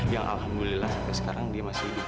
yang alhamdulillah sampai sekarang dia masih hidup